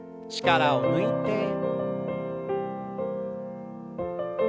力を抜いて。